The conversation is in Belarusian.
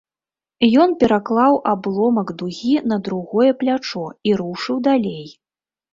Ён пераклаў абломак дугі на другое плячо і рушыў далей.